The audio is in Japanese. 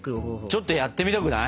ちょっとやってみたくない？